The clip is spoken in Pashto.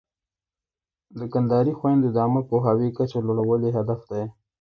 د کندهاري خویندو د عامه پوهاوي کچه لوړول یې هدف دی.